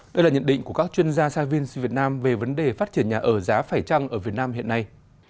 đây là nhận định của các chuyên gia savins việt nam về vấn đề phát triển nhà ở giá phải trăng ở việt nam hiện nay